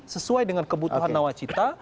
sesuai dengan kebutuhan nawacita